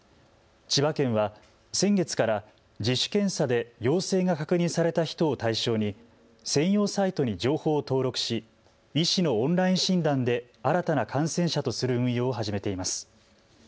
千葉県は先月から自主検査で陽性が確認された人を対象に専用サイトに情報を登録し医師のオンライン診断で新たな感染者とする運用を始めています。